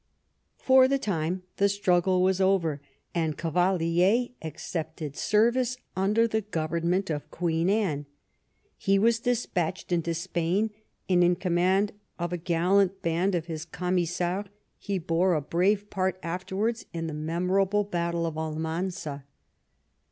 For the time the struggle was over, and Cavalier accepted service imder the government of Queen Anne. He was despatched into Spain, and in command of a gallant band of his Camisards he bore a brave part 111 THE REIGN OF QUEEN ANNE afterwards in the memorable battle of Almanza.